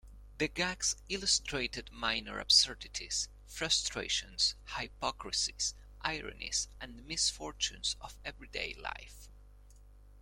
The gags illustrated minor absurdities, frustrations, hypocrisies, ironies and misfortunes of everyday life.